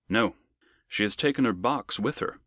"No! She has taken her box with her.